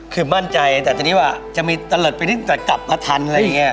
คือมั่นใจแต่ทีนี้ว่าจะมีตะเลิดไปนิดแต่กลับมาทันอะไรอย่างนี้